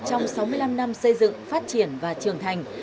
trong sáu mươi năm năm xây dựng phát triển và trưởng thành